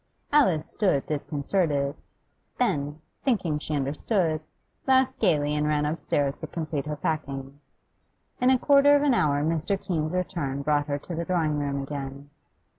Alice stood disconcerted; then, thinking she understood, laughed gaily and ran upstairs to complete her packing. In a quarter of an hour Mr. Keene's return brought her to the drawing room again.